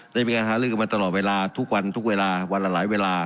ได้มีการหาลือกันมาตลอดเวลาทุกวันทุกเวลาวันละหลายเวลา